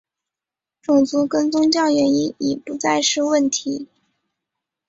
种族跟宗教原因已不再是问题。